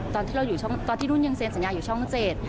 ตอนที่รุ่นยังเซนสัญญาอยู่ช่อง๗